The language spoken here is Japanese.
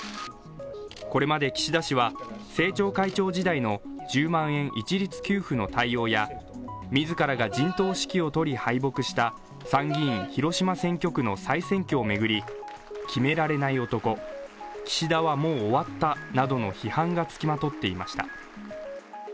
これまで岸田氏は政調会長時代の１０万円一律給付の対応や自らが陣頭指揮を執り敗北した、参議院広島選挙区の再選挙を巡り、決められない男、岸田はもう終わったなどの批判がつきまとっていました。